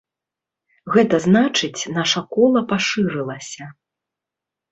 Гэта значыць, наша кола пашырылася.